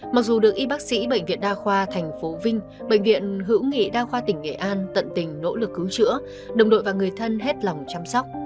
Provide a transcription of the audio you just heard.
mặc dù được y bác sĩ bệnh viện đa khoa tp vinh bệnh viện hữu nghị đa khoa tỉnh nghệ an tận tình nỗ lực cứu chữa đồng đội và người thân hết lòng chăm sóc